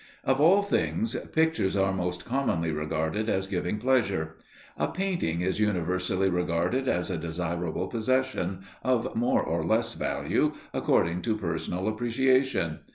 Of all things, pictures are most commonly regarded as giving pleasure. A painting is universally regarded as a desirable possession of more or less value, according to personal appreciation.